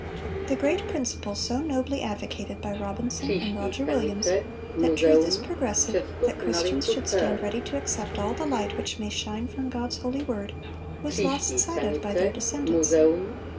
The great principle so nobly advocated by Robinson and Roger Williams, that truth is progressive, that Christians should stand ready to accept all the light which may shine from God's holy word, was lost sight of by their descendants.